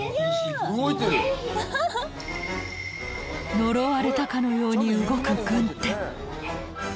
呪われたかのように動く軍手